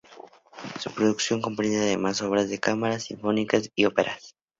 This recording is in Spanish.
Su producción comprende además, obras de cámara, sinfónicas y óperas.